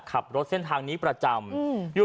ขับรถเส้นทางนี้ประจำ